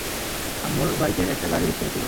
আম্মুর বাইকে একটা গাড়ি হিট করেছিল!